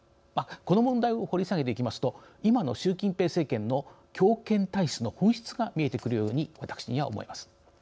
この問題を掘り下げていきますと今の習近平政権の強権体質の本質が見えてくるように私には思えます。